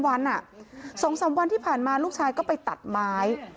วัน๒๓วันที่ผ่านมาลูกชายก็ไปตัดไม้